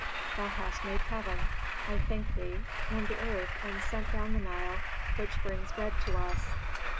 Thou hast made heaven. I thank thee. And the earth, and sent down the Nile which brings bread to us.